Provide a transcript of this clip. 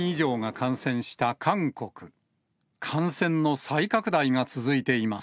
感染の再拡大が続いています。